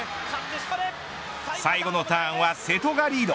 最後のターンは瀬戸がリード。